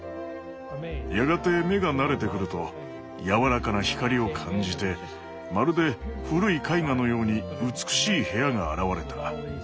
やがて目が慣れてくると柔らかな光を感じてまるで古い絵画のように美しい部屋が現れた。